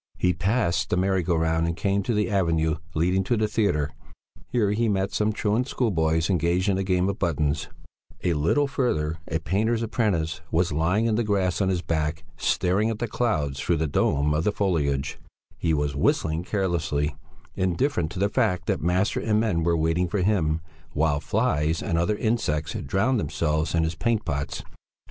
He passed the merry go round and came to the avenue leading to the theatre; here he met some truant schoolboys engaged in a game of buttons; a little further a painter's apprentice was lying in the grass on his back staring at the clouds through the dome of foliage; he was whistling carelessly, indifferent to the fact that master and men were waiting for him, while flies and other insects drowned themselves in his paint pots.